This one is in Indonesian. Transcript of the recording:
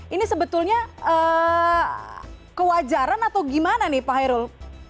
ini sebetulnya kewajaran atau gimana nih pak hairul